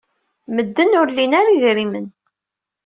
Medden ur lin ara idrimen.